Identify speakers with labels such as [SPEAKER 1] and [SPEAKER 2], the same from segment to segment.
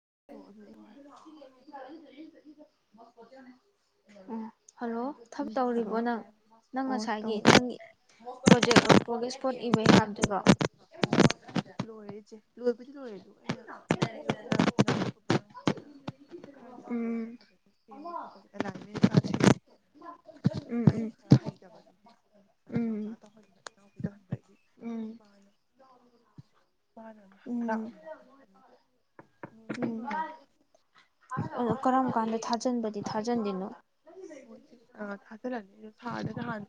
[SPEAKER 1] [inaudible]
[SPEAKER 2] ꯇꯣꯛꯑꯅꯤ ꯑꯩ
[SPEAKER 1] ꯎꯝ ꯍꯜꯂꯣ ꯊꯕꯛ
[SPEAKER 2] ꯍꯜꯂꯣ
[SPEAKER 1] ꯇꯧꯔꯤꯕꯣ ꯅꯪ ꯅꯪ
[SPEAKER 2] ꯑꯣ
[SPEAKER 1] ꯉꯁꯥꯏꯒꯤ
[SPEAKER 2] ꯇꯧꯗꯦ
[SPEAKER 1] ꯅꯪꯒꯤ ꯄꯔꯣꯖꯦꯛ ꯑꯝ ꯄꯔꯣꯒꯦꯁ ꯔꯤꯄꯣꯠ ꯏꯕꯒꯤ ꯍꯥꯏꯕꯗꯨꯔꯣ
[SPEAKER 2] ꯂꯣꯏꯔꯦ ꯏꯆꯦ ꯂꯣꯏꯕꯨꯗꯤ ꯂꯣꯏꯔꯦꯗꯨ
[SPEAKER 1] ꯎꯝ ꯎꯝ ꯎꯝ ꯎꯝ ꯎꯝ
[SPEAKER 2] [unintelligible] ꯃꯥꯅ ꯉꯍꯥꯛ
[SPEAKER 1] ꯎꯝ
[SPEAKER 2] ꯂꯥꯛꯑꯝꯕ ꯑꯗꯨ ꯂꯣꯏꯗꯤ
[SPEAKER 1] ꯎꯝ
[SPEAKER 2] ꯂꯣꯏꯔꯦꯗ
[SPEAKER 1] ꯑ ꯀꯔꯝ ꯀꯥꯟꯗ ꯊꯥꯖꯟꯕꯗꯤ ꯊꯥꯖꯟꯗꯣꯏꯅꯣ
[SPEAKER 2] ꯈꯔ ꯈꯔ ꯊꯥꯖꯜꯂꯅꯤ ꯁꯥꯔꯗ ꯅꯍꯥꯟ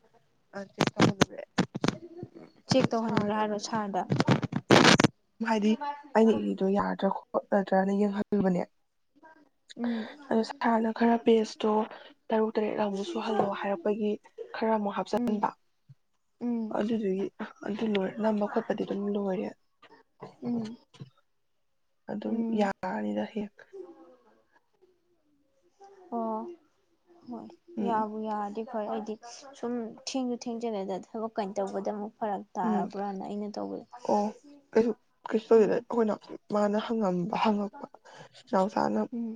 [SPEAKER 2] ꯆꯦꯛ ꯇꯧꯔꯑꯦ [inaudible]
[SPEAKER 1] [unintelligible] ꯆꯦꯛ ꯇꯧꯍꯟꯈ꯭ꯔꯥ ꯍꯥꯏꯔꯣ ꯁꯥꯔꯗ
[SPEAKER 2] ꯍꯥꯏꯗꯤ ꯑꯩꯅ ꯏꯔꯤꯗꯣ ꯌꯥꯔꯗ꯭ꯔꯥ ꯈꯣꯠꯂꯗ꯭ꯔꯅ ꯌꯦꯡꯍꯟ ꯑꯗꯨꯒꯅꯦ
[SPEAKER 1] ꯎꯝ
[SPEAKER 2] ꯑꯁ ꯍꯟꯅꯥ ꯈꯔ ꯄꯦꯁꯇꯣ ꯇꯔꯨꯛ ꯇꯔꯦꯠ ꯑꯃꯨꯛ ꯁꯨꯍꯜꯂꯣ ꯍꯥꯏꯔꯛꯄꯒꯤ ꯈꯔ ꯑꯃꯨꯛ
[SPEAKER 1] ꯎꯝ
[SPEAKER 2] ꯍꯥꯞꯆꯟꯕ
[SPEAKER 1] ꯎꯝ
[SPEAKER 2] ꯑꯗꯨꯗꯨꯒꯤ ꯑꯗꯨ ꯂꯣꯏ ꯅꯝꯕ ꯈꯣꯠꯄꯗꯤ ꯑꯗꯨꯝ ꯂꯣꯏꯔꯦ
[SPEAKER 1] ꯎꯝ
[SPEAKER 2] ꯑꯗꯨꯝ
[SPEAKER 1] ꯎꯝ
[SPEAKER 2] ꯌꯥꯅꯤꯗ ꯍꯦ
[SPEAKER 1] ꯑꯣ ꯍꯣꯏ
[SPEAKER 2] ꯎꯝ
[SPEAKER 1] ꯌꯥꯕꯨ ꯌꯥꯔꯗꯤ ꯐꯔꯦ ꯑꯩꯗꯤ ꯁꯨꯝ ꯊꯦꯡꯁꯨ ꯊꯦꯡꯖꯨꯊꯦꯡꯖꯤꯜꯂꯛꯑꯦ ꯊꯕꯛ ꯀꯩꯅꯣ ꯇꯧꯕꯗ ꯑꯃꯨꯛ ꯐꯔꯛ
[SPEAKER 2] ꯎꯝ
[SPEAKER 1] ꯇꯥꯔꯕ꯭ꯔꯅ ꯑꯩꯅ ꯇꯧꯕꯗ
[SPEAKER 2] ꯑꯣ ꯀꯩꯁꯨ ꯀꯩꯁꯨ ꯇꯧꯗꯦꯗ
[SPEAKER 1] ꯎꯝ
[SPEAKER 2] ꯑꯩꯈꯣꯏꯅ ꯃꯥꯅ ꯍꯪꯉꯝꯕ ꯍꯪꯉꯛꯄ ꯅꯥꯎꯆꯥꯥꯅ
[SPEAKER 1] ꯎꯝ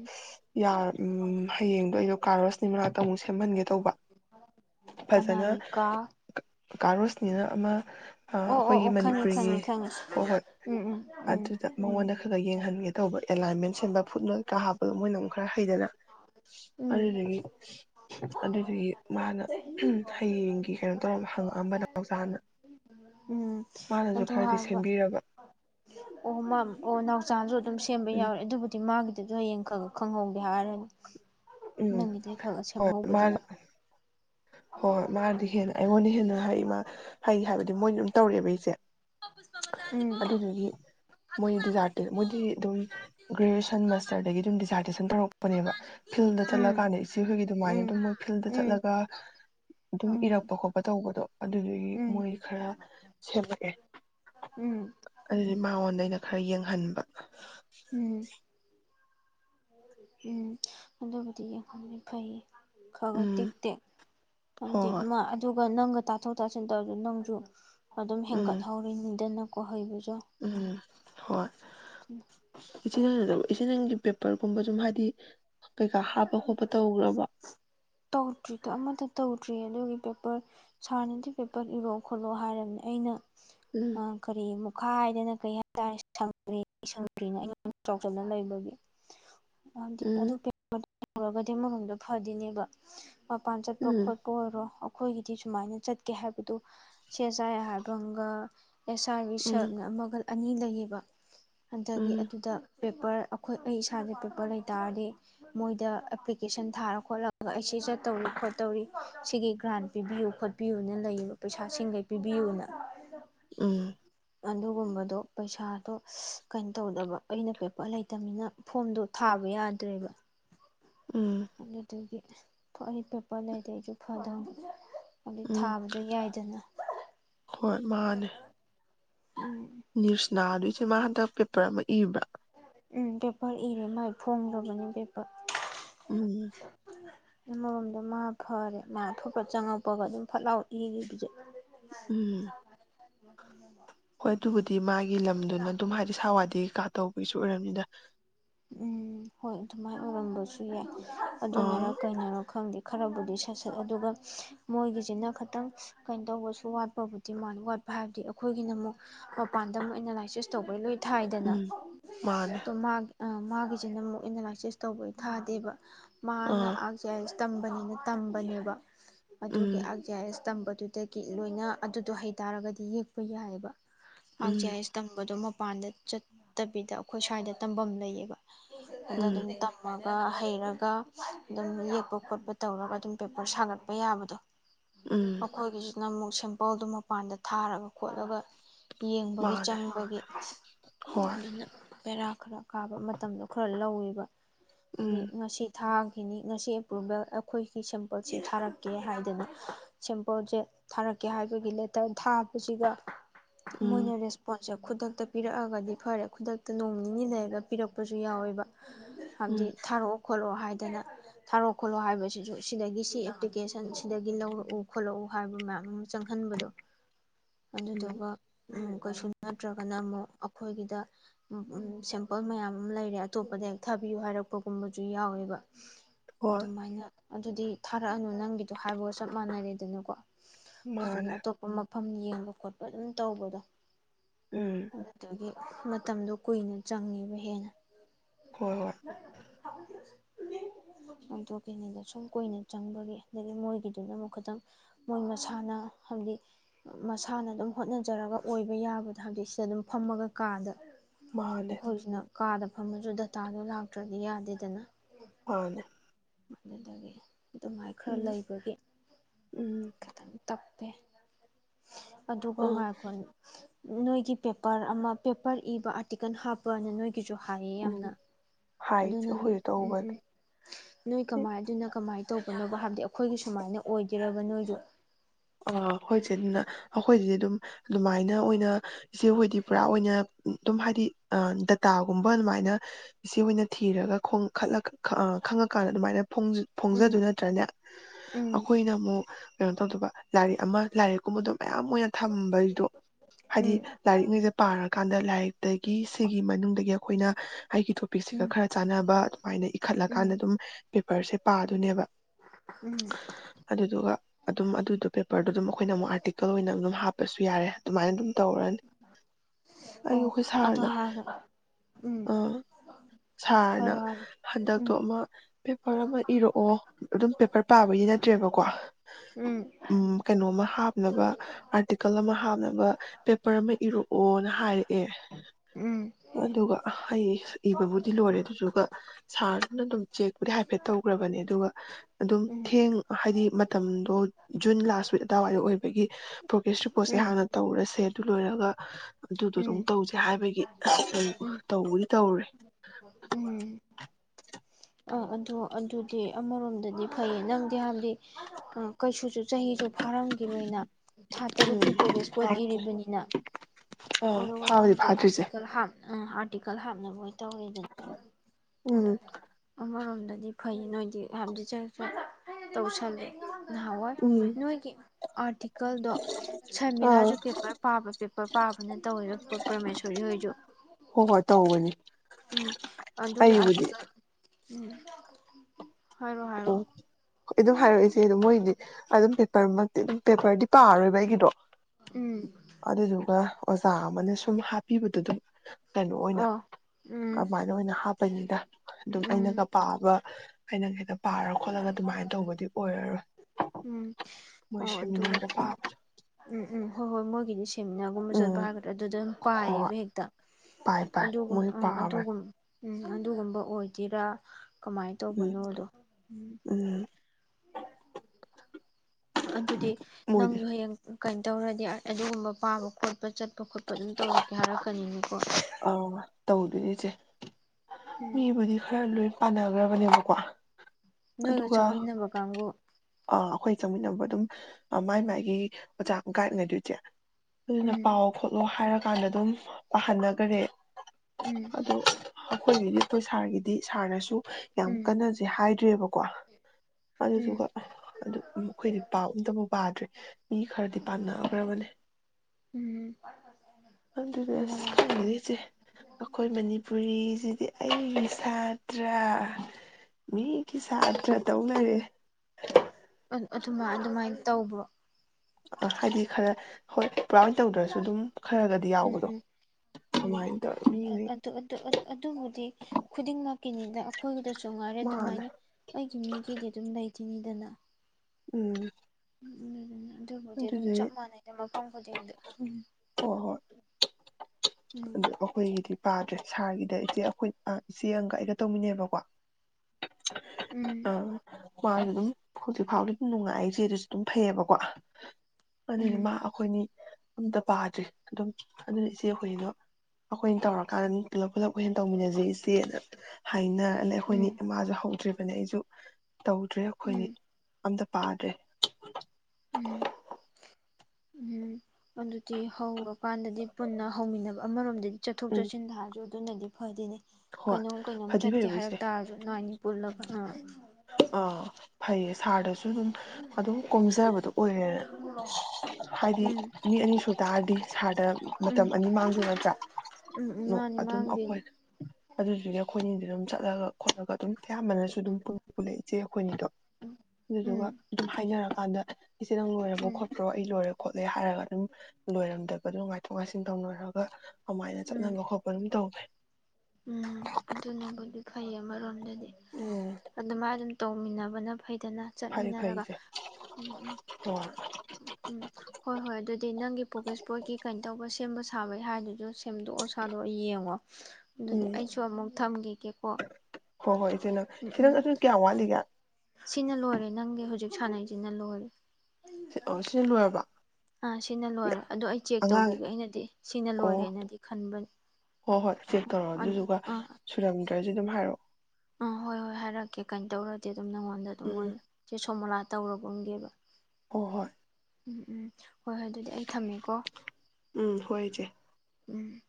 [SPEAKER 2] ꯌꯥꯔ- ꯎꯝ- ꯍꯌꯦꯡꯗꯣ ꯑꯩꯗꯣ ꯀꯥꯔꯣꯁꯅꯤ ꯃꯅꯥꯛꯇ ꯑꯃꯨꯛ ꯁꯦꯝꯍꯟꯒꯦ ꯇꯧꯕ ꯐꯖꯅ
[SPEAKER 1] ꯀꯅꯥꯒꯤ ꯀꯥ
[SPEAKER 2] ꯀꯥꯔꯣꯁꯅꯤꯅ ꯑꯃ
[SPEAKER 1] ꯑꯣ ꯑꯣ
[SPEAKER 2] ꯑꯩꯈꯣꯏꯒꯤ
[SPEAKER 1] ꯑꯣ ꯈꯪꯉꯦ
[SPEAKER 2] ꯃꯅꯤꯄꯨꯔꯤꯒꯤ
[SPEAKER 1] ꯈꯪꯉꯦ ꯈꯪꯉꯦ
[SPEAKER 2] ꯍꯣꯏ ꯍꯣꯏ
[SPEAKER 1] ꯎꯝ ꯎꯝ
[SPEAKER 2] ꯑꯗꯨꯗ
[SPEAKER 1] ꯎꯝ
[SPEAKER 2] ꯃꯉꯣꯟꯗ ꯈꯔ ꯈꯔ ꯌꯦꯡꯍꯟꯒꯦ ꯇꯧꯕ ꯑꯦ ꯈꯔ ꯍꯩꯗꯅ
[SPEAKER 1] ꯎꯝ
[SPEAKER 2] ꯑꯗꯨꯗꯨꯒꯤ ꯑꯗꯨꯗꯨꯒꯤ ꯃꯥꯅ ꯍꯌꯦꯡꯒꯤ ꯀꯩꯅꯣ ꯇꯧꯔꯝꯕ ꯍꯪꯉꯛꯑꯝꯕ ꯅꯥꯎꯆꯥꯅ
[SPEAKER 1] ꯎꯝ
[SPEAKER 2] ꯃꯥꯅꯁꯨ
[SPEAKER 1] ꯑꯗꯨ
[SPEAKER 2] ꯈꯔꯗꯤ
[SPEAKER 1] ꯍꯥꯏꯕ
[SPEAKER 2] ꯁꯦꯝꯕꯤꯔꯕ
[SPEAKER 1] ꯑꯣ ꯑꯣ ꯅꯥꯎꯆꯥꯥꯁꯨ ꯑꯗꯨꯝ ꯁꯦꯝꯕ
[SPEAKER 2] ꯎꯝ
[SPEAKER 1] ꯌꯥꯎꯔꯦ ꯑꯗꯨꯗꯤ ꯃꯥꯒꯤꯗꯨꯗ ꯍꯌꯦꯡ ꯈꯪꯍꯧꯒꯦ ꯍꯥꯏꯔꯅꯤ
[SPEAKER 2] ꯎꯝ
[SPEAKER 1] ꯅꯪꯒꯤꯗꯩ ꯈꯔ ꯈꯔ
[SPEAKER 2] ꯍꯣꯏ
[SPEAKER 1] ꯁꯦꯝꯍꯧꯕꯗꯨꯅ
[SPEAKER 2] ꯃꯥꯅ ꯍꯣꯏ ꯍꯣꯏ ꯃꯥꯅꯗꯤ ꯍꯦꯟꯅ ꯑꯩꯉꯣꯟꯗꯩꯩ ꯍꯦꯟꯅ ꯍꯩ ꯃꯥ ꯍꯩ ꯍꯥꯏꯕꯗꯤ ꯃꯣꯏ ꯑꯗꯨꯝ ꯇꯧꯔꯛꯑꯦꯕ ꯏꯆꯦ
[SPEAKER 1] ꯎꯝ
[SPEAKER 2] ꯑꯗꯨꯗꯨꯒꯤ ꯃꯣꯏ ꯗꯤꯖꯥꯔꯇꯦ ꯃꯣꯏꯗꯤ ꯑꯗꯨꯝ ꯒ꯭ꯔꯦꯖꯨꯋꯦꯁꯟ ꯃꯁꯇ꯭ꯔꯗꯒꯤ ꯑꯗꯨꯝ ꯗꯤꯖꯥꯔ ꯀꯤꯁꯟ ꯇꯧꯔꯛꯄꯅꯦꯕ ꯐꯤꯜꯗ ꯆꯠꯂ ꯀꯥꯟꯗ ꯏꯆꯦ ꯍꯣꯏꯒꯤ ꯑꯗꯨꯃꯥꯏꯅ
[SPEAKER 1] ꯎꯝ
[SPEAKER 2] ꯑꯗꯨꯝ ꯃꯣꯏ ꯐꯤꯜꯗ
[SPEAKER 1] ꯎꯝ
[SPEAKER 2] ꯆꯠꯂꯒ ꯑꯗꯨꯝ
[SPEAKER 1] ꯎꯝ
[SPEAKER 2] ꯏꯔꯛꯄ ꯈꯣꯠꯄ ꯇꯧꯕꯗꯣ ꯑꯗꯨꯗꯒꯤ
[SPEAKER 1] ꯎꯝ
[SPEAKER 2] ꯃꯣꯏ ꯈꯔ ꯁꯦꯝꯃꯛꯑꯦ
[SPEAKER 1] ꯎꯝ ꯎꯝ
[SPEAKER 2] ꯑꯗꯨꯗꯤ ꯃꯥ ꯑꯣꯟꯗꯩꯩꯅ ꯈꯔ ꯌꯦꯡꯍꯟꯕ
[SPEAKER 1] ꯎꯝ ꯎꯝ ꯑꯗꯨꯕꯨꯗꯤ ꯌꯦꯡꯍꯟꯕꯩ ꯐꯩꯌꯦ ꯈ ꯈ ꯇꯦꯛ
[SPEAKER 2] ꯎꯝ
[SPEAKER 1] ꯇꯦꯛ
[SPEAKER 2] ꯍꯣꯏ
[SPEAKER 1] ꯍꯥꯏꯗꯤ
[SPEAKER 2] ꯍꯣꯏ
[SPEAKER 1] ꯃꯥ ꯑꯗꯨ ꯑꯗꯨꯒ ꯅꯪꯒ ꯇꯥꯊꯣꯛ ꯇꯥꯁꯤꯟ ꯇꯧꯔꯁꯨ ꯅꯪꯁꯨ ꯑꯗꯨꯝ
[SPEAKER 2] ꯎꯝ
[SPEAKER 1] ꯍꯦꯟꯒꯠꯍꯧꯔꯤꯅꯤꯗꯅ [unintelligible]
[SPEAKER 2] ꯎꯝ ꯍꯣꯏ ꯏꯆꯦ ꯅꯪꯒꯤ ꯄꯦꯄꯤꯔꯒꯨꯝꯕ ꯑꯗꯨꯝ ꯍꯥꯏꯗꯤ ꯀꯩꯀꯥ ꯍꯥꯞꯄ ꯈꯣꯠꯄ ꯇꯧꯒ꯭ꯔꯕ
[SPEAKER 1] ꯗ꯭ꯔꯤ ꯑꯗꯨꯒꯤ ꯄꯦꯄꯔ ꯁꯥꯔꯅꯗꯤ ꯄꯦꯄꯔ ꯏꯔꯣ ꯈꯣꯠꯂꯣ ꯍꯥꯏꯔꯅꯤ ꯑꯩꯅ ꯑ
[SPEAKER 2] ꯎꯝ
[SPEAKER 1] ꯀꯔꯤ ꯑꯃꯨꯛ ꯍꯥꯏꯗꯅ [unintelligible] ꯂꯩꯕꯒꯤ ꯑꯗꯨ
[SPEAKER 2] ꯎꯝ
[SPEAKER 1] ꯄꯦ ꯇꯔꯒꯗꯤ ꯑꯃꯔꯣꯝꯗ ꯐꯗꯣꯏꯅꯦꯕ ꯃꯄꯥꯟ ꯆꯠꯄ
[SPEAKER 2] ꯎꯝ
[SPEAKER 1] ꯈꯣꯠꯄ ꯑꯣꯏꯔꯣ ꯑꯩꯈꯣꯏꯒꯤꯗꯤ ꯁꯨꯃꯥꯏꯅ ꯆꯠꯀꯦ ꯍꯥꯏꯕꯗꯨ ꯁꯦꯁꯥꯏ ꯍꯥꯏꯕ ꯑꯃꯒ ꯑꯦꯁ ꯑꯥꯏ
[SPEAKER 2] ꯎꯝ
[SPEAKER 1] ꯕꯤꯁꯞꯅ ꯑꯃꯒ ꯑꯅꯤ ꯂꯩꯌꯦꯕ ꯍꯟꯗꯒꯤ
[SPEAKER 2] ꯎꯝ
[SPEAKER 1] ꯑꯗꯨꯗ ꯄꯦꯄꯔ ꯑꯩꯈꯣꯏ ꯑꯩ ꯏꯁꯥꯥꯖꯦ ꯄꯦꯄꯔ ꯂꯩꯇꯥꯥꯔꯗꯤ ꯃꯣꯏꯗ ꯑꯦꯄ꯭ꯂꯤꯀꯦꯁꯟ ꯊꯥꯔ ꯈꯣꯠꯂꯒ ꯑꯩ ꯁꯤ ꯆꯠꯇꯧꯔꯤ ꯈꯣꯠꯇꯧꯔꯤ ꯁꯤꯒꯤ ꯒ꯭ꯔꯥꯟ ꯄꯤꯕꯤꯌꯨ ꯈꯣꯠꯄꯤꯌꯨꯅ ꯂꯩꯌꯦꯕ ꯄꯩꯁꯥꯁꯤꯡꯒꯩ ꯄꯤꯕꯤꯌꯨꯅ
[SPEAKER 2] ꯎꯝ
[SPEAKER 1] ꯑꯗꯨꯒꯨꯝꯕꯗꯣ ꯄꯩꯁꯥꯗꯣ ꯀꯩꯅꯣ ꯇꯧꯒꯗꯕ ꯑꯩꯅ ꯄꯦꯄꯔ ꯂꯩꯇꯝꯅꯤꯅ ꯐꯣꯝꯗꯣ ꯊꯥꯕ ꯌꯥꯗ꯭ꯔꯦꯕ
[SPEAKER 2] ꯎꯝ
[SPEAKER 1] ꯑꯗꯨꯗꯨꯒꯤ [unintelligible] ꯑꯗꯨ
[SPEAKER 2] ꯎꯝ
[SPEAKER 1] ꯊꯥꯕꯗꯣ ꯌꯥꯏꯗꯅ
[SPEAKER 2] ꯍꯣꯏ ꯃꯥꯅꯦ
[SPEAKER 1] ꯎꯝ
[SPEAKER 2] ꯅꯤꯔꯁꯥꯥꯗꯤꯁꯨ ꯃꯥꯍꯟꯗꯛ ꯄꯦꯄꯔ ꯑꯃ ꯏꯕ꯭ꯔ
[SPEAKER 1] ꯎꯝ ꯄꯦꯄꯔ ꯏꯔꯦ ꯃꯥꯏ ꯐꯣꯝ ꯂꯣꯕꯅꯤ ꯄꯦꯄꯔ
[SPEAKER 2] ꯎ ꯎꯝ
[SPEAKER 1] ꯑꯃꯔꯣꯝꯗ ꯃꯥ ꯐꯔꯦ ꯃꯥ ꯊꯣꯛꯈꯔ ꯆꯪꯉꯛꯄꯒ ꯑꯗꯨꯝ ꯐꯠ ꯂꯥꯎ ꯏꯒꯤꯕꯁꯦ
[SPEAKER 2] ꯎꯝ
[SPEAKER 1] [unintelligible] [inaudible]
[SPEAKER 2] ꯍꯣꯏ ꯑꯗꯨꯕꯨꯗꯤ ꯃꯥꯒꯤ ꯂꯝꯗꯨꯅ ꯑꯗꯨꯝ ꯍꯥꯏꯗꯤ ꯁꯥꯋꯥꯏꯗꯒꯤ ꯀꯥꯞ ꯇꯧꯕꯩꯁꯨ ꯑꯣꯏꯔꯝꯅꯤꯗ
[SPEAKER 1] ꯎꯝ ꯍꯣꯏ ꯑꯗꯨꯃꯥꯏ ꯑꯣꯏꯔꯝꯕꯁꯨ ꯌꯥꯏ ꯑꯗꯨꯅꯔ
[SPEAKER 2] ꯑꯥ
[SPEAKER 1] ꯀꯩꯅꯔꯣ ꯈꯪꯗꯦ ꯈꯔꯕꯨꯗꯤ ꯁꯠ ꯁꯠ ꯑꯗꯨꯒ ꯃꯣꯏꯒꯤꯁꯤꯅ ꯈꯇꯪ ꯀꯩꯅꯣ ꯇꯧꯕꯁꯨ ꯋꯥꯠꯄꯕꯨꯗꯤ ꯃꯥꯟ ꯋꯥꯠꯄ ꯍꯥꯏꯕꯗꯤ ꯑꯩꯈꯣꯏꯒꯤꯅ ꯑꯃꯨꯛ ꯃꯄꯥꯟꯗ ꯑꯃꯨꯛ ꯑꯦꯅꯥꯂꯥꯏꯁꯤꯁ ꯇꯧꯕꯩ ꯂꯣꯏ ꯊꯥꯏꯗꯅ
[SPEAKER 2] ꯎꯝ ꯃꯥꯅꯦ
[SPEAKER 1] ꯗꯣ ꯃꯥꯒꯤ ꯑ ꯃꯥꯒꯤꯁꯤꯅ ꯑꯃꯨꯛ ꯑꯦꯅꯥꯂꯥꯏꯁꯤꯁ ꯇꯧꯕꯩ ꯊꯥꯗꯦꯕ ꯃꯥꯅ
[SPEAKER 2] ꯑꯥ
[SPEAKER 1] [unintelligible] ꯇꯝꯕꯅꯤꯅ ꯇꯝꯕꯅꯦꯕ ꯑꯗꯨꯒꯤ
[SPEAKER 2] ꯎꯝ
[SPEAKER 1] [unintelligible] ꯇꯝꯕꯗꯨꯗꯒꯤ ꯂꯣꯏꯅ ꯑꯗꯨꯗꯣ ꯍꯩꯇꯥꯔꯒꯗꯤ ꯌꯦꯛꯄ ꯌꯥꯏꯌꯦꯕ ꯄꯥꯡꯆꯦ
[SPEAKER 2] ꯎꯝ
[SPEAKER 1] ꯍꯥꯏꯁ ꯇꯝꯕꯗꯣ ꯃꯛ ꯃꯄꯥꯟꯗ ꯆꯠꯇꯕꯤꯗ ꯑꯩꯈꯣꯏ ꯁ꯭ꯋꯥꯏꯗ ꯇꯝꯕꯝ ꯂꯩꯌꯦꯕ ꯑꯗꯨ
[SPEAKER 2] ꯎꯝ
[SPEAKER 1] ꯗꯨꯝ ꯇꯝꯕꯑꯝ ꯍꯩꯔꯒ ꯑꯗꯨꯝ ꯌꯦꯛꯄ ꯈꯣꯠꯄ ꯇꯧꯔꯒ ꯑꯗꯨꯝ ꯄꯦꯄꯔ ꯁꯥꯒꯠꯄ ꯌꯥꯕꯗꯣ
[SPEAKER 2] ꯎꯝ
[SPEAKER 1] ꯑꯥꯈꯣꯏꯒꯤꯁꯤ ꯅ ꯑꯃꯨꯛ ꯁꯦꯝꯄꯜꯗꯨ ꯃꯄꯥꯟꯗ ꯊꯥꯔꯒ ꯈꯣꯠꯂꯒ ꯌꯦꯡꯕꯒꯤ
[SPEAKER 2] ꯃꯥꯅꯦ
[SPEAKER 1] ꯆꯪꯕꯒꯤ
[SPEAKER 2] ꯍꯣꯏ
[SPEAKER 1] ꯑꯗꯨꯅ ꯄꯦꯔꯥ ꯈꯔ ꯄꯥꯕ ꯃꯇꯝꯗꯣ ꯈꯔ ꯂꯧꯋꯦꯕ
[SPEAKER 2] ꯎꯝ
[SPEAKER 1] ꯉꯁꯤ ꯊꯥꯡ ꯁꯤꯅꯤ ꯉꯁꯤ ꯑꯦꯄ꯭ꯔꯨꯚꯦꯜ ꯑꯩꯈꯣꯏꯒꯤ ꯁꯦꯝꯄꯜꯁꯦ ꯊꯥꯔꯛꯀꯦ ꯍꯥꯏꯗꯅ ꯁꯦꯝꯄꯜꯁꯦ ꯊꯥꯔꯛꯀꯦ ꯍꯥꯏꯕꯒꯤ ꯂꯦꯇꯔ ꯊꯥꯕꯁꯤꯒ
[SPEAKER 2] ꯎꯝ
[SPEAKER 1] ꯃꯣꯏꯅ ꯔꯦꯁꯄꯣꯟ ꯈꯨꯗꯛꯇ ꯄꯤꯔꯛꯑꯒꯗꯤ ꯐꯔꯦ ꯈꯨꯗꯛꯇ ꯅꯣꯡ ꯅꯤꯅꯤ ꯂꯩꯔꯒ ꯄꯤꯔꯛꯄꯁꯨ ꯌꯥꯎꯋꯦꯕ
[SPEAKER 2] ꯎꯝ
[SPEAKER 1] ꯍꯧꯖꯤꯛ ꯊꯥꯔꯛꯑꯣ ꯈꯣꯠꯂꯑꯣ ꯍꯥꯏꯗꯅ ꯊꯥꯔꯣ ꯈꯣꯠꯂꯣ ꯍꯥꯏꯕꯁꯤꯁꯨ ꯁꯤꯗꯒꯤ ꯁꯤ ꯑꯦꯄ꯭ꯂꯤꯀꯦꯁꯟ ꯁꯤꯗꯒꯤ ꯂꯧꯔꯛꯎ ꯈꯣꯠꯂꯛꯎ ꯍꯥꯏꯕ ꯃꯌꯥꯝ ꯑꯃ ꯆꯪꯍꯟꯕꯗꯣ
[SPEAKER 2] ꯎꯝ
[SPEAKER 1] ꯑꯗꯨꯗꯨꯒ ꯀꯩꯁꯨ ꯅꯠꯇ꯭ꯔꯒꯅ ꯑꯃꯨꯛ ꯑꯩꯈꯣꯏꯒꯤꯗ ꯁꯦꯝ ꯁꯦꯝꯄꯜ ꯃꯌꯥꯝ ꯑꯃ ꯂꯩꯔꯦ ꯑꯇꯣꯞꯄꯗ ꯍꯦꯛ ꯊꯥꯕꯤꯌꯨ ꯍꯥꯏꯔꯛꯄꯒꯨꯝꯕꯁꯨ ꯌꯥꯎꯋꯦꯕ
[SPEAKER 2] ꯍꯣꯏ
[SPEAKER 1] ꯑꯗꯨꯃꯥꯏꯅ ꯑꯗꯨꯗꯤ ꯊꯥꯔꯛꯑꯅꯨ ꯅꯪꯒꯤꯗꯣ ꯍꯥꯏꯕꯒ ꯆꯞ ꯃꯥꯟꯅꯔꯦꯗꯅꯀꯣ ꯑꯗꯨꯅ
[SPEAKER 2] ꯃꯥꯅꯦ
[SPEAKER 1] ꯑꯇꯣꯞꯄ ꯐꯝ ꯌꯦꯡꯕ ꯈꯣꯠꯄ ꯑꯗꯨꯝ ꯇꯧꯕꯗꯣ
[SPEAKER 2] ꯎꯝ
[SPEAKER 1] ꯑꯗꯒꯤ ꯃꯇꯝꯗꯣ ꯀꯨꯏꯅ ꯆꯪꯉꯦꯕ ꯍꯦꯟꯅ
[SPEAKER 2] ꯍꯣꯏ ꯍꯣꯏ
[SPEAKER 1] [inaudible] ꯉꯇꯣꯛ ꯀꯤꯅꯤꯗ ꯁꯨꯝ ꯀꯨꯏꯅ ꯆꯪꯕꯒꯤ ꯑꯗꯒꯤ ꯃꯣꯏꯒꯤꯗꯨꯅ ꯑꯃꯨꯛ ꯈꯇꯪ ꯃꯣꯏ ꯃꯁꯥꯅ ꯍꯥꯏꯕꯗꯤ ꯃꯁꯥꯅ ꯑꯗꯨꯝ ꯍꯣꯠꯅꯖꯔꯒ ꯑꯣꯏꯕ ꯌꯥꯕꯗ ꯍꯥꯏꯕꯗꯤ ꯁꯤꯗ ꯑꯗꯨꯝ ꯐꯝꯃꯒ ꯀꯥꯗ
[SPEAKER 2] ꯃꯥꯅꯦ
[SPEAKER 1] ꯑꯗꯨꯅ ꯀꯥꯗ ꯐꯝꯃꯁꯨ ꯗꯇꯥꯗꯣ ꯂꯥꯛꯇ꯭ꯔꯗꯤ ꯌꯥꯗꯦꯗꯅ
[SPEAKER 2] ꯃꯥꯅꯦ
[SPEAKER 1] ꯃꯗꯨꯗꯒꯤ ꯑꯗꯨꯃꯥꯏ ꯈꯔ
[SPEAKER 2] ꯎꯝ
[SPEAKER 1] ꯂꯩꯕꯒꯤ
[SPEAKER 2] ꯎꯝ
[SPEAKER 1] ꯈꯤꯇꯪ ꯇꯞ [inaudible] ꯑꯗꯨꯒ
[SPEAKER 2] ꯑ
[SPEAKER 1] ꯉꯥꯏꯈꯣ ꯅꯣꯏꯒꯤ ꯄꯦꯄꯔ ꯑꯃ ꯄꯦꯄꯔ ꯏꯕ ꯑꯥꯔꯇꯤꯀꯜ ꯍꯥꯞ ꯄꯅꯦ ꯅꯣꯏ ꯒꯤꯁꯨ ꯍꯥꯏꯌꯦ ꯌꯥꯝꯅ
[SPEAKER 2] ꯎꯝ ꯍꯥꯏꯁꯦ
[SPEAKER 1] ꯑꯗꯨꯅ
[SPEAKER 2] ꯑꯩꯈꯣꯏꯁꯨ
[SPEAKER 1] ꯎꯝ
[SPEAKER 2] ꯇꯧꯕꯅꯦ
[SPEAKER 1] ꯎꯝ ꯅꯣꯏ ꯀꯃꯥꯏ ꯑꯗꯨꯅ ꯀꯃꯥꯏꯅ ꯇꯧꯕ ꯀꯩꯅꯣꯒ ꯍꯥꯏꯕꯗꯤ ꯑꯩꯈꯣꯏꯒꯤ ꯁꯨꯃꯥꯏꯅ ꯑꯣꯏꯗꯣꯏꯔꯕ ꯅꯣꯏꯁꯨ
[SPEAKER 2] ꯑ ꯍꯣꯏꯆꯦ ꯅ ꯑꯩꯈꯣꯏꯒꯤꯗꯤ ꯑꯗꯨꯝ ꯑꯗꯨꯃꯥꯏꯅ ꯑꯣꯏꯅ ꯏꯆꯦꯍꯣꯏꯗꯤ ꯄꯨꯔꯥ ꯑꯣꯏꯅ ꯑꯗꯨꯝ ꯍꯥꯏꯗꯤ ꯗꯇꯥꯒꯨꯝꯕ ꯑꯗꯨꯃꯥꯏꯅ ꯏꯆꯦ ꯍꯣꯏꯅ ꯊꯤꯔꯒ ꯈꯣꯡꯈꯠꯂꯒ ꯈꯈꯪꯉꯀꯥꯟꯗ ꯑꯗꯨꯃꯥꯏꯅ ꯐꯣꯡꯖ
[SPEAKER 1] ꯎꯝ
[SPEAKER 2] ꯐꯣꯡꯖꯗꯨꯏ ꯅꯠꯇ꯭ꯔꯅꯦ
[SPEAKER 1] ꯎꯝ
[SPEAKER 2] ꯑꯩꯈꯣꯏꯅ ꯑꯃꯨꯛ ꯀꯩꯅꯣꯇꯧꯗꯣꯏꯕ ꯂꯥꯏꯔꯤꯛ ꯑꯃ ꯂꯥꯏꯔꯤꯛꯀꯨꯝꯕ ꯑꯗꯨꯝ ꯃꯌꯥꯝ ꯑꯣꯏꯅ ꯊꯝꯕꯩꯗꯣ ꯍꯥꯏꯗꯤ
[SPEAKER 1] ꯎꯝ
[SPEAKER 2] ꯂꯥꯏꯔꯤꯛꯉꯩꯁꯦ ꯄꯥꯔꯀꯥꯟꯗ ꯂꯥꯏꯔꯤꯛꯇꯒꯤ ꯁꯤꯒꯤ ꯃꯅꯨꯡꯗꯒꯤ ꯑꯩꯈꯣꯏꯅ ꯑꯩꯒꯤ ꯇꯣꯄꯤꯛꯁꯤꯒ ꯈꯔ ꯆꯥꯟꯅꯕ ꯏꯈꯠꯂꯀꯥꯟꯗ
[SPEAKER 1] ꯎꯝ
[SPEAKER 2] ꯑꯗꯨꯝ ꯄꯦꯄꯔꯁꯦ ꯄꯥꯗꯣꯏꯅꯦꯕ
[SPEAKER 1] ꯎꯝ ꯎꯝ
[SPEAKER 2] ꯑꯗꯨꯗꯨꯒ ꯑꯗꯨꯝ ꯑꯗꯨꯗꯨ ꯄꯦꯄꯔꯗꯨ ꯑꯗꯨꯝ ꯑꯩꯈꯣꯏꯅ ꯑꯃꯨꯛ ꯑꯥꯔꯇꯤꯀꯜ ꯑꯣꯏꯅ ꯑꯗꯨꯝ ꯍꯥꯞꯄ ꯑꯗꯨꯁꯨ ꯌꯥꯔꯦ ꯑꯗꯨꯃꯥꯏꯅ ꯑꯗꯨꯝ ꯇꯧꯔꯅꯤ ꯑꯩ
[SPEAKER 1] ꯑꯣ
[SPEAKER 2] ꯑꯩꯈꯣꯏ
[SPEAKER 1] ꯑꯗꯨ
[SPEAKER 2] ꯁꯥꯔꯅ
[SPEAKER 1] ꯍꯥꯏꯔꯒ ꯎꯝ
[SPEAKER 2] ꯑꯥ ꯁꯥꯔꯅ
[SPEAKER 1] ꯍꯥꯏꯔꯣ ꯍꯥꯏꯔꯣ
[SPEAKER 2] ꯍꯟꯗꯛꯇꯣ
[SPEAKER 1] ꯎꯝ
[SPEAKER 2] ꯑꯃ ꯄꯦꯄꯔ ꯑꯃ ꯏꯔꯛꯑꯣ ꯑꯗꯨꯝ ꯄꯦꯄꯔ ꯄꯥꯕꯒꯤ ꯅꯠꯇ꯭ꯔꯦꯕꯀꯣ
[SPEAKER 1] ꯎꯝ
[SPEAKER 2] ꯎꯝ ꯀꯩꯅꯣꯝꯃ ꯍꯥꯞꯅꯕ ꯑꯥꯔꯇꯤꯀꯜ ꯑꯃ ꯍꯥꯞꯅꯕ ꯄꯦꯄꯔ ꯑꯃ ꯏꯔꯛꯑꯣꯅ ꯍꯥꯏꯔꯛꯑꯦ
[SPEAKER 1] ꯎꯝ
[SPEAKER 2] ꯑꯗꯨꯒ ꯑꯩ ꯏꯕꯕꯨꯗꯤ ꯂꯣꯏꯔꯦ ꯑꯗꯨꯗꯨꯒ ꯁꯥꯔ [inaudible] ꯆꯦꯛꯄꯨꯗꯤ ꯍꯥꯏꯐꯦꯠ ꯇꯧꯈ꯭ꯔꯕꯅꯦ ꯑꯗꯨꯒ ꯑꯗꯨꯝ
[SPEAKER 1] ꯎꯝ
[SPEAKER 2] ꯊꯦꯡ ꯍꯥꯏꯗꯤ ꯃꯇꯝꯗꯣ ꯖꯨꯟ ꯂꯥꯁ ꯋꯤꯛ ꯑꯗꯨꯋꯥꯏꯗ ꯑꯣꯏꯕꯒꯤ ꯄ꯭ꯔꯣꯒ꯭ꯔꯦꯁ ꯔꯤꯄꯣꯔꯠꯁꯦ
[SPEAKER 1] ꯎꯝ
[SPEAKER 2] ꯍꯥꯟꯅ ꯇꯧꯔꯁꯦ ꯑꯗꯨ ꯂꯣꯏꯔꯒ ꯑꯗꯨꯗꯣ ꯑꯗꯨꯝ
[SPEAKER 1] ꯎꯝ
[SPEAKER 2] ꯇꯧꯁꯦ ꯍꯥꯏꯕꯒꯤ
[SPEAKER 1] ꯎꯝ
[SPEAKER 2] ꯇꯧꯕꯨꯗꯤ ꯇꯧꯔꯨꯔꯦ
[SPEAKER 1] ꯑ ꯑꯗꯨ ꯑꯗꯨꯗꯤ ꯑꯃꯔꯣꯝꯗꯗꯤ ꯐꯩꯌꯦ ꯅꯪꯗꯤ ꯍꯥꯏꯕꯗꯤ ꯀꯩꯁꯨ ꯆꯍꯤꯁꯨ ꯐꯥꯔꯝꯒꯤꯔꯣꯏꯅ ꯊꯥ
[SPEAKER 2] ꯎꯝ
[SPEAKER 1] ꯇꯔꯨꯛꯀꯤ ꯄ꯭ꯔꯣꯒ꯭ꯔꯦꯁ ꯄꯣꯠ ꯏꯔꯤꯕꯅꯤꯅ
[SPEAKER 2] ꯑꯥ
[SPEAKER 1] ꯑꯣ ꯅꯪ
[SPEAKER 2] ꯐꯥꯕꯗꯤ
[SPEAKER 1] ꯍꯧꯖꯤꯛ
[SPEAKER 2] ꯐꯥꯗ꯭ꯔꯤꯁꯦ
[SPEAKER 1] ꯑꯥꯔꯇꯤꯀꯜ ꯍꯥꯥꯞ [unintelligible] ꯍꯥꯞꯅꯕꯣꯏ ꯑꯣꯏꯅ ꯇꯧꯔꯤꯗꯅ
[SPEAKER 2] ꯎꯝ
[SPEAKER 1] ꯑꯃꯔꯣꯝꯗ ꯗꯗꯤ ꯐꯩ ꯅꯣꯏꯗꯤ ꯍꯥꯏꯗꯤ [unintelligible] ꯇꯧꯁꯜꯂꯦ ꯅꯍꯋꯥꯏ
[SPEAKER 2] ꯎꯝ
[SPEAKER 1] ꯅꯣꯏꯒꯤ ꯑꯥꯔꯇꯤ ꯀꯜꯗꯣ
[SPEAKER 2] ꯑꯥ
[SPEAKER 1] ꯁꯔꯃꯤꯂꯥꯁꯨ ꯄꯦꯄꯔ ꯄꯥꯕ ꯄꯦꯄꯔ ꯄꯥꯕꯅ ꯇꯧꯋꯦꯔ ꯄ꯭ꯔꯃꯦꯁꯣꯔꯤ ꯍꯣꯏꯁꯨ
[SPEAKER 2] ꯍꯣꯏ ꯍꯣꯏ ꯇꯧꯕꯅꯤ
[SPEAKER 1] ꯎꯝ ꯑꯗꯨꯒꯤ
[SPEAKER 2] ꯑꯩꯕꯨꯗꯤ
[SPEAKER 1] ꯑꯥꯔꯇꯤꯀꯜ ꯎꯝ ꯍꯥꯏꯔꯣ ꯍꯥꯏꯔꯣ
[SPEAKER 2] ꯍ ꯑꯗꯨꯝ ꯍꯥꯏꯔꯛꯏꯁꯦ ꯑꯗꯨꯝ ꯃꯣꯏꯗꯤ ꯑꯗꯨꯝ ꯄꯦꯄꯔꯃꯛꯇꯤ ꯄꯦꯄꯔꯗꯤ ꯄꯥꯔꯔꯣꯏꯕ ꯑꯩꯒꯤꯗꯣ
[SPEAKER 1] ꯎꯝ
[SPEAKER 2] ꯑꯗꯨꯗꯨꯒ ꯑꯣꯖꯥ ꯑꯃꯅ ꯁꯨꯝ ꯍꯥꯞꯄꯤꯕꯗꯨ ꯑꯗꯨꯝ ꯀꯩꯅꯣ ꯑꯣꯏꯅ
[SPEAKER 1] ꯑꯣ ꯎꯝ
[SPEAKER 2] ꯑꯗꯨꯃꯥꯏꯅ ꯑꯣꯏꯅ ꯍꯥꯞꯄꯅꯤꯗ ꯑꯗꯨꯝ
[SPEAKER 1] ꯎꯝ
[SPEAKER 2] ꯑꯩꯅꯒ ꯄꯥꯕ [unintelligible] ꯄꯥꯔ ꯈꯣꯠꯂꯒ ꯑꯗꯨꯃꯥꯏ ꯇꯧꯕꯗꯤ ꯑꯣꯏꯔꯔꯣꯏ
[SPEAKER 1] ꯎꯝ
[SPEAKER 2] ꯃꯣꯏ
[SPEAKER 1] ꯑꯣ ꯑꯗꯨꯔꯣ
[SPEAKER 2] ꯁꯦꯃꯤꯅꯥꯔꯗ ꯄꯥꯕ
[SPEAKER 1] ꯎꯝ ꯎꯝ ꯍꯣꯏ ꯍꯣꯏ ꯃꯣꯏꯒꯤꯗꯤ ꯁꯤ [unintelligible] ꯑꯗꯨꯗ ꯗꯨꯝ
[SPEAKER 2] ꯍꯣꯏ
[SPEAKER 1] ꯄꯥꯌꯦꯕ ꯍꯦꯛꯇꯥ
[SPEAKER 2] ꯄꯥꯏ ꯄꯥꯏ
[SPEAKER 1] ꯑꯗꯨꯒ
[SPEAKER 2] ꯃꯣꯏ
[SPEAKER 1] ꯑꯝ
[SPEAKER 2] ꯄꯥꯕꯅꯦ
[SPEAKER 1] ꯑꯗꯨꯒꯝ ꯎꯝ ꯑꯗꯨꯒꯨꯝꯕ ꯑꯣꯏꯗꯤꯔꯥ ꯀꯃꯥꯏ
[SPEAKER 2] ꯎꯝ
[SPEAKER 1] ꯇꯧꯕꯅꯣꯗꯣ
[SPEAKER 2] ꯎꯝ
[SPEAKER 1] [inaudible] ꯑꯗꯨꯗꯤ
[SPEAKER 2] ꯃꯣꯏꯗꯤ
[SPEAKER 1] ꯅꯪꯁꯨ ꯍꯌꯦꯡ ꯀꯩꯅꯣ ꯇꯧꯔꯗꯤ ꯑꯗꯨꯒꯨꯝꯕ ꯄꯥꯕ ꯈꯣꯠꯄ ꯆꯠ ꯄ ꯈꯣꯠꯄ ꯑꯗꯨꯝ ꯊꯧꯔꯛꯀꯦ ꯍꯥꯏꯌꯣ [unintelligible]
[SPEAKER 2] ꯑꯧꯎ ꯇꯧꯗꯣꯏꯅꯦ ꯏꯆꯦ
[SPEAKER 1] ꯎꯝ
[SPEAKER 2] ꯃꯤꯕꯨꯗꯤ ꯈꯔꯥ ꯂꯨꯏ ꯄꯥꯟꯅꯈ꯭ꯔꯕꯅꯦꯕꯀꯣ
[SPEAKER 1] ꯅꯣꯏꯒ
[SPEAKER 2] ꯑꯗꯨꯒ
[SPEAKER 1] ꯆꯪꯃꯤꯟꯅꯕ ꯀꯥꯡꯒꯨ
[SPEAKER 2] ꯑꯥ ꯑꯩꯈꯣꯏ ꯆꯪꯃꯤꯟꯅꯕ ꯑꯗꯨꯝ ꯃꯥꯏ ꯃꯥꯥꯏꯒꯤ ꯑꯣꯖꯥ ꯒꯥꯏꯗ ꯂꯩꯗꯣꯏꯁꯦ ꯑꯗꯨꯅ
[SPEAKER 1] ꯎꯝ
[SPEAKER 2] ꯄꯥꯎ ꯈꯣꯠꯂꯣ ꯍꯥꯏꯔꯛ ꯍꯥꯟꯅ ꯗꯨꯝ ꯄꯥꯍꯟꯅꯈꯔꯦ
[SPEAKER 1] ꯎꯝ
[SPEAKER 2] ꯑꯗꯣ ꯑꯩꯈꯣꯏꯒꯤꯗꯤ ꯈꯣꯏ ꯁꯥꯔꯒꯤꯗꯤ ꯁꯥꯔꯅꯁꯨ ꯌꯥꯝ
[SPEAKER 1] ꯎꯝ
[SPEAKER 2] ꯀꯟꯅꯖꯦ ꯍꯥꯏ ꯗꯦꯕꯀꯣ
[SPEAKER 1] ꯎꯝ
[SPEAKER 2] ꯑꯗꯨꯗꯨꯒ ꯑꯗꯨ ꯃꯈꯣꯏꯗꯤ ꯄꯥꯎꯝꯇꯕꯨ ꯄꯥꯗꯔꯤ ꯃꯤ ꯈꯔꯗꯤ ꯄꯥꯅꯈ꯭ꯔꯕꯅꯦ
[SPEAKER 1] ꯎꯝ
[SPEAKER 2] ꯍꯟꯗꯨꯗ ꯑꯁ ꯈꯪꯗꯦꯗ ꯏꯆꯦ ꯑꯩꯈꯣꯏ ꯃꯅꯤꯄꯨꯔꯤꯁꯤꯗꯤ ꯑꯩꯒꯤ ꯁꯥꯇ꯭ꯔ ꯃꯤꯒꯤ ꯁꯥꯇ꯭ꯔ ꯇꯧ ꯂꯩꯔꯦ
[SPEAKER 1] ꯑꯗꯨꯃꯥꯏ ꯑꯗꯨꯃꯥꯏꯅ ꯇꯧꯕ꯭ꯔꯣ
[SPEAKER 2] ꯑ ꯍꯥꯏꯗꯤ ꯈꯔ ꯍꯣꯏ ꯄꯨꯔꯥ ꯑꯣꯏꯅ ꯇꯧꯗ꯭ꯔꯁꯨ ꯑꯗꯨꯝ ꯈꯔꯒꯗꯤ
[SPEAKER 1] ꯎꯝ
[SPEAKER 2] ꯌꯥꯎꯕꯗꯣ
[SPEAKER 1] ꯎꯝ ꯎꯝ
[SPEAKER 2] ꯑꯗꯨꯃꯥꯏꯅ ꯇꯧꯋꯦ
[SPEAKER 1] ꯑ
[SPEAKER 2] ꯃꯤꯉꯩ
[SPEAKER 1] ꯑꯗꯨ ꯑꯗꯨ ꯑ ꯑꯗꯨꯕꯨꯗꯤ ꯈꯨꯗꯤꯡꯃꯛ ꯀꯤꯅꯤꯗ ꯑꯩꯈꯣꯏꯒꯤꯗꯁꯨ ꯆꯉꯥꯏꯔꯦ
[SPEAKER 2] ꯃꯥꯅꯦ
[SPEAKER 1] ꯑꯗꯨꯃꯥꯏꯅ ꯑꯩꯒꯤ ꯃꯤꯒꯤꯗꯤ ꯑꯗꯨꯝ ꯂꯩ ꯏꯪꯉꯤꯗꯅ
[SPEAKER 2] ꯎꯝ
[SPEAKER 1] ꯑꯗꯨꯕꯨꯗꯤ ꯑꯗꯨꯝ
[SPEAKER 2] ꯑꯗꯨꯗꯤ
[SPEAKER 1] ꯆꯞ ꯃꯥꯟꯅꯩꯗ ꯃꯐꯝ ꯈꯨꯗꯤꯡꯗ ꯎꯝ
[SPEAKER 2] ꯑꯣ ꯍꯣꯏ
[SPEAKER 1] ꯎꯝ
[SPEAKER 2] ꯑꯣꯍꯣꯏ ꯒꯤꯗꯤ ꯄꯥꯗ꯭ꯔꯦ ꯁꯥꯔꯒꯤꯗ ꯏꯆꯦ ꯑꯩꯈꯣꯏ ꯑ ꯏꯆꯦ ꯑꯃꯒ ꯑꯩꯒ ꯇꯧꯃꯤꯟꯅꯩꯕꯀꯣ
[SPEAKER 1] ꯎꯝ
[SPEAKER 2] ꯑꯪ ꯑ ꯈꯋꯥꯗꯨꯝ ꯍꯧꯖꯤꯛ ꯐꯥꯎꯗꯤ ꯅꯨꯡꯉꯥꯏ ꯏꯆꯦꯗꯨꯁꯨ ꯑꯗꯨꯝ ꯐꯩꯌꯦꯕꯀꯣ
[SPEAKER 1] ꯎꯝ
[SPEAKER 2] ꯑꯗꯨꯗꯤ ꯃ ꯑꯩꯈꯣꯏꯅꯤ ꯑꯝꯇ ꯄꯥꯗ꯭ꯔꯤ ꯑꯗꯨꯝ ꯑꯗꯨꯗꯤ ꯏꯆꯦꯈꯣꯏꯅ ꯑꯩꯈꯣꯏꯅ ꯇꯧꯔꯀꯥꯟꯗ ꯄꯨꯂꯞ ꯄꯨꯂꯞ ꯑꯣꯏꯅ ꯇꯧꯃꯤꯟꯅꯖꯦ ꯏꯆꯦꯅ ꯍꯥꯏꯅꯔꯅꯤ ꯑꯩꯈꯣꯏꯅꯤ
[SPEAKER 1] ꯎꯝ
[SPEAKER 2] ꯏꯃꯥꯥꯁꯨ ꯍꯧ ꯑꯩꯖꯨ ꯇꯧꯗ꯭ꯔꯦ ꯑꯩꯈꯣꯏꯅꯤ
[SPEAKER 1] ꯎꯝ
[SPEAKER 2] ꯑꯝꯇ ꯄꯥꯗ꯭ꯔꯦ
[SPEAKER 1] ꯎꯝ ꯎꯝ ꯑꯗꯨꯗꯤ ꯍꯧꯔꯀꯥꯟꯗꯗꯤ ꯄꯨꯟꯅ ꯍꯧꯃꯤꯟꯅꯕ ꯑꯃꯔꯣꯝꯗꯗꯤ ꯆꯠꯊꯣꯛ
[SPEAKER 2] ꯎꯝ
[SPEAKER 1] ꯆꯠꯁꯤꯟ ꯊꯥꯁꯨ ꯑꯗꯨꯅꯗꯤ ꯐꯗꯣꯏꯅꯦ
[SPEAKER 2] ꯍꯣꯏ
[SPEAKER 1] ꯀꯩꯅꯣꯝ ꯀꯩꯅꯣꯝ
[SPEAKER 2] ꯐꯗꯤ
[SPEAKER 1] ꯆꯠꯆꯦ
[SPEAKER 2] ꯐꯩꯌꯦꯕ
[SPEAKER 1] ꯍꯥꯏꯔꯛ
[SPEAKER 2] ꯏꯆꯦ
[SPEAKER 1] ꯇꯥꯔꯁꯨ ꯅꯣꯏꯅꯤ ꯄꯨꯜꯂꯒ
[SPEAKER 2] ꯊꯥꯔꯗꯁꯨ ꯑꯝ ꯑꯗꯨꯝ ꯀꯣꯝꯖꯕꯗꯣ ꯑꯣꯏꯔꯦ ꯍꯥꯏꯗꯤ
[SPEAKER 1] ꯎꯝ
[SPEAKER 2] ꯃꯤ ꯑꯅꯤ ꯁꯨ ꯇꯥꯔꯗꯤ ꯁꯥꯔꯗ
[SPEAKER 1] ꯎꯝ
[SPEAKER 2] ꯃꯇꯝ ꯑꯅꯤ ꯃꯥꯡꯗꯣꯏ ꯅꯠꯇ꯭ꯔꯥ
[SPEAKER 1] ꯎꯝ ꯎꯝ
[SPEAKER 2] ꯃꯨꯛ
[SPEAKER 1] ꯃꯥꯅꯤ
[SPEAKER 2] ꯑꯗꯨꯝ
[SPEAKER 1] ꯃꯥꯡꯗꯦꯅꯦ
[SPEAKER 2] ꯑꯩꯈꯣꯏ ꯑꯗꯨꯗꯤ ꯑꯩꯈꯣꯏꯅꯤ ꯑꯥꯗꯨꯝ ꯆꯠꯂꯒ ꯈꯣꯠꯂꯒ ꯑꯗꯨꯝ ꯑꯌꯥꯝꯕꯅꯁꯨ ꯑꯗꯨꯝ ꯄꯨꯜ ꯄꯨꯜꯂꯛꯑꯦ ꯏꯆꯦ ꯑꯩꯈꯣꯏꯅꯤꯗꯣ ꯑꯗꯨꯗꯨꯒ
[SPEAKER 1] ꯎꯝ
[SPEAKER 2] ꯑꯗꯨꯝ ꯍꯥꯏꯅꯔꯀꯥꯟꯗ ꯏꯆꯦ ꯅꯪ ꯂꯣꯏꯔꯕꯣ
[SPEAKER 1] ꯎꯝ ꯎꯝ
[SPEAKER 2] ꯈꯣꯠꯄ꯭ꯔꯣ ꯑꯩ ꯂꯣꯏꯔꯦ ꯈꯣꯠꯂꯦ ꯍꯥꯏꯔꯒ ꯑꯗꯨꯝ ꯂꯣꯏꯔꯝꯗ ꯑꯗꯣ ꯉꯥꯏꯊꯣꯛ ꯉꯥꯏꯁꯤꯟ ꯇꯧꯅꯔꯒ ꯑꯃꯥꯏꯅ
[SPEAKER 1] ꯎꯝ
[SPEAKER 2] ꯆꯠꯅꯕ ꯈꯣꯠꯄ ꯑꯗꯨꯝ ꯇꯧꯈ꯭ꯔꯦ
[SPEAKER 1] ꯎꯝ ꯑꯗꯨꯅꯕꯨꯗꯤ ꯐꯩꯌꯦ ꯑꯃꯔꯣꯝꯗꯗꯤ
[SPEAKER 2] ꯎꯝ
[SPEAKER 1] ꯑꯗꯨꯃꯥꯏ ꯑꯗꯨꯝ ꯇꯧꯃꯤꯟꯅ ꯕꯅ ꯐꯩ ꯅ
[SPEAKER 2] ꯐꯔꯦ ꯐꯔꯦ
[SPEAKER 1] ꯆꯠꯃꯤꯟꯅꯔꯒ
[SPEAKER 2] ꯏꯆꯦ
[SPEAKER 1] ꯎꯝ ꯎꯝ
[SPEAKER 2] ꯍꯣꯏ
[SPEAKER 1] ꯎꯝ ꯎꯝ ꯍꯣꯏ ꯍꯣꯏ ꯑꯗꯨꯗꯤ ꯅꯪꯒꯤ ꯄꯣꯒꯦꯁ ꯄꯣꯠꯀꯤ ꯀꯩꯅꯣ ꯇꯧꯕ ꯁꯦꯝꯕ ꯁꯥꯕꯩ ꯍꯥꯏꯗꯨꯁꯨ ꯁꯦꯝꯗꯣꯛꯑꯣ ꯁꯥꯗꯣꯛꯑꯣ ꯌꯦꯡꯉꯣ ꯑꯗꯨꯗꯤ
[SPEAKER 2] ꯎꯝ
[SPEAKER 1] ꯑꯩꯁꯨ ꯑꯃꯨꯛ ꯊꯝꯒꯤꯒꯦꯀꯣ
[SPEAKER 2] ꯍꯣꯏ ꯍꯣꯏ ꯏꯆꯦ ꯅꯪ
[SPEAKER 1] ꯎꯝ
[SPEAKER 2] ꯁꯤ
[SPEAKER 1] ꯎꯝ
[SPEAKER 2] ꯅꯪ ꯑꯗꯨ ꯀꯌꯥꯝ ꯋꯥꯠꯂꯤꯒꯦ
[SPEAKER 1] ꯁꯤꯅ ꯂꯣꯏꯔꯦ ꯅꯪꯒꯤ ꯍꯧꯖꯤꯛ ꯁꯥꯟꯅꯩꯖꯤꯅ ꯂꯣꯏꯔꯦ
[SPEAKER 2] ꯁꯤ ꯑꯣ ꯁꯤꯅ ꯂꯣꯏꯔꯕꯣ
[SPEAKER 1] ꯑꯥ ꯁꯤꯅ ꯂꯣꯏꯔꯦ ꯑꯗꯣ ꯑꯩ ꯆꯦꯛ ꯇꯧꯈꯤꯒꯦ ꯑꯩꯅꯗꯤ ꯁꯤꯅ
[SPEAKER 2] ꯑꯣ
[SPEAKER 1] ꯂꯣꯏꯔꯦꯅꯗꯤ ꯈꯟꯕꯅꯤ
[SPEAKER 2] ꯍꯣꯏ ꯍꯣꯏ
[SPEAKER 1] ꯑꯥ ꯑ
[SPEAKER 2] ꯍꯧꯖꯤꯛ ꯑꯗꯨꯝ ꯍꯥꯏꯔꯛꯑꯣ
[SPEAKER 1] ꯑ ꯍꯣꯏ ꯍꯣꯏ ꯍꯥꯏꯔꯛꯀꯦ ꯀꯩꯅꯣ ꯇꯧꯔꯗꯤ ꯗꯨꯝ ꯅꯪꯉꯣꯟꯗ ꯗꯨꯝ
[SPEAKER 2] ꯎꯝ
[SPEAKER 1] ꯑꯣꯏꯅ ꯁꯦ ꯁꯣꯃꯣꯂꯥ ꯇꯧꯔꯕꯝꯒꯤꯔꯣ
[SPEAKER 2] ꯍꯣ ꯍꯣꯏ
[SPEAKER 1] ꯍꯣꯏ ꯍꯣꯏ ꯑꯗꯨꯗꯤ ꯑꯩ ꯊꯝꯃꯦꯀꯣ
[SPEAKER 2] ꯎꯝ ꯍꯣꯏ ꯏꯆꯦ
[SPEAKER 1] ꯎꯝ